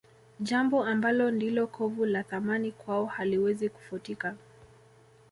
Jambo ambalo ndilo kovu la Thamani kwao haliwezi kufutika